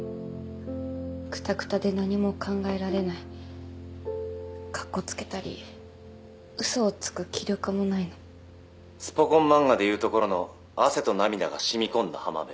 クタクタで何も考えられないかっこつけたりウソをつく気力もないの「スポ根漫画で言うところの汗と涙が染み込んだ浜辺」